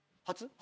初。